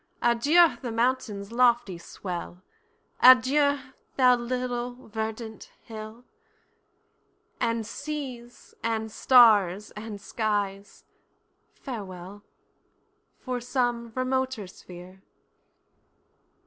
Adieu the mountain's lofty swell, Adieu, thou little verdant hill, And seas, and stars, and skies—farewell, For some remoter sphere!